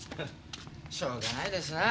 しょうがないですなあ。